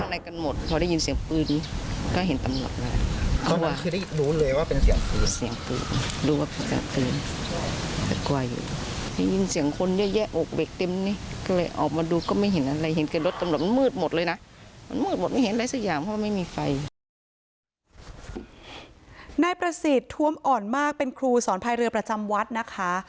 นายประสิทธิ์ทวมอ่อนมากเป็นครูสอนพายเรือประจำวัดนะคะ